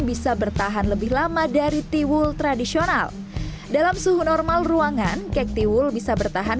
bisa bertahan lebih lama dari tiwul tradisional dalam suhu normal ruangan kek tiwul bisa bertahan